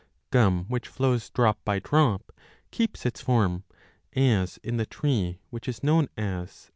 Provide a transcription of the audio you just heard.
Gum which flows drop by drop keeps its form, 20 as in the tree which is known as.